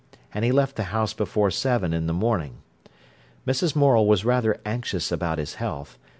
And he left the house before seven in the morning. Mrs. Morel was rather anxious about his health.